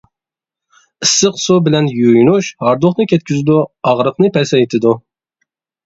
ئىسسىق سۇ بىلەن يۇيۇنۇش ھاردۇقنى كەتكۈزىدۇ، ئاغرىقنى پەسەيتىدۇ.